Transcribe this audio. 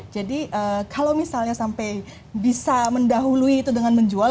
jadi kalau misalnya sampai bisa mendahului itu dengan menjual